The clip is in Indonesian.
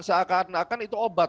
seakan akan itu obat